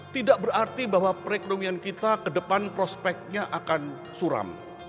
tidak berarti bahwa perekonomian kita ke depan prospeknya akan suram